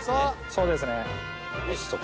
そうですね。